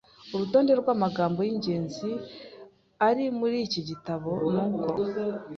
Urutonde rwʼamagambo yʼingenzi ari muri iki gitabo nʼuko